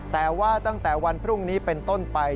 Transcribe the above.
แต่ว่าตั้งแต่วันพรุ่งนี้เป็นต้นไป